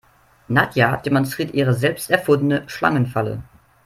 Nadja demonstriert ihre selbst erfundene Schlangenfalle.